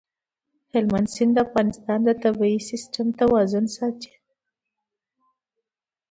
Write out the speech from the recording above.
هلمند سیند د افغانستان د طبعي سیسټم توازن ساتي.